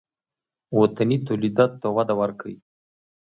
وطني تولیداتو ته وده ورکړئ